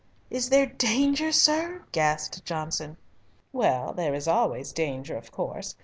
"Is there danger, sir?" gasped Johnson. "Well, there is always danger, of course.